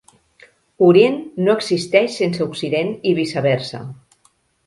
Orient no existeix sense Occident, i viceversa.